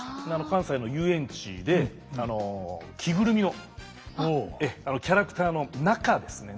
関西の遊園地で着ぐるみのキャラクターの中ですね。